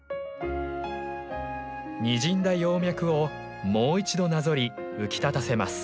にじんだ葉脈をもう一度なぞり浮き立たせます。